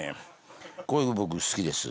こういうの僕好きです。